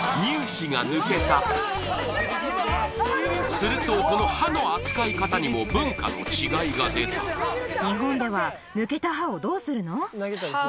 するとこの歯の扱い方にも文化の違いが出たＯｈ！